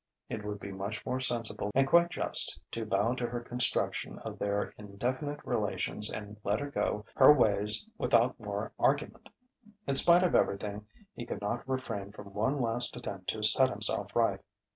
It would be much more sensible and quite just to bow to her construction of their indefinite relations and let her go her ways without more argument. In spite of everything, he could not refrain from one last attempt to set himself right.